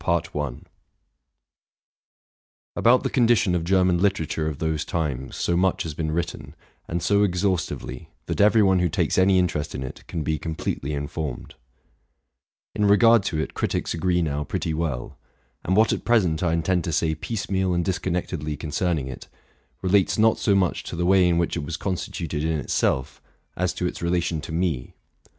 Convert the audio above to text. Axnovt the condition of German literature of those times so much has been written, and so exhaustively, that every one who takes any interest in it can be completely informed ; in regard to it critics agree now pretty well; and what at present I intend to say piecemeal and disconnectedly con cerning it, relates not so much to the way in which it was constituted in itself, as to its relation to me.